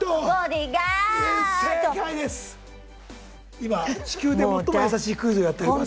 今地球で最も易しいクイズをやっております。